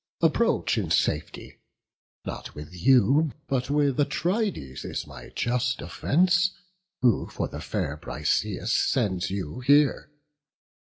approach in safety; not with you, But with Atrides, is my just offence, Who for the fair Briseis sends you here.